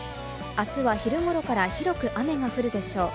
明日は昼頃から広く雨が降るでしょう。